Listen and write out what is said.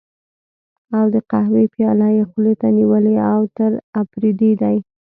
او د قهوې پياله یې خولې ته نیولې، اوتر اپرېدی دی.